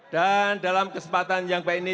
dan dalam kesempatan yang baik ini